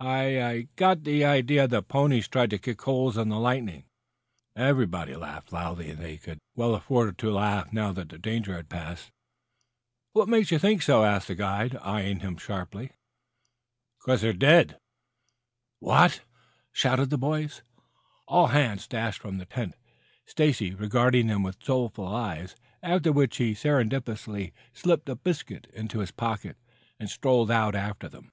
"I I got an idea the ponies tried to kick holes in the lightning." Everybody laughed loudly. They could well afford to laugh, now that the danger had passed. "What makes you think that?" asked the guide, eyeing him sharply. "'Cause they're dead!" "What!" shouted the boys. All hands dashed from the tent, Stacy regarding them with soulful eyes, after which he surreptitiously slipped a biscuit into his pocket and strolled out after them.